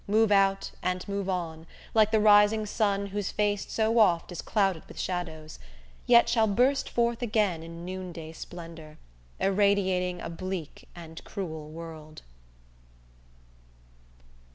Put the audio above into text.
Move out and move on, like the rising sun Whose face so oft is clouded with shadows, Yet, shall burst forth again in noonday splendor Irradiating a bleak and cruel world!